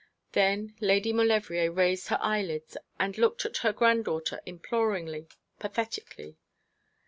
Then Lady Maulevrier raised her eyelids, and looked at her granddaughter imploringly, pathetically.